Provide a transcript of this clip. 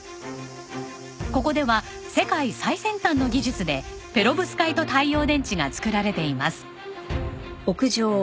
ここでは世界最先端の技術でペロブスカイト太陽電池が作られています。